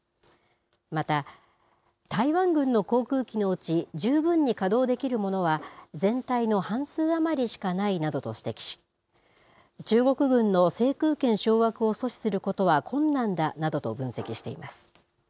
また、台湾軍の航空機のうち、十分に稼働できるものは全体の半数余りしかないなどと指摘し、中国軍の制空権掌握を阻止することは困難だなどと分析しています。